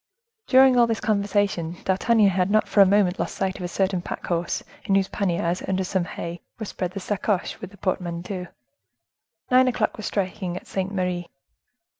During all this conversation, D'Artagnan had not for a moment lost sight of a certain pack horse, in whose panniers, under some hay, were spread the sacoches (messenger's bags) with the portmanteau. Nine o'clock was striking at Saint Merri.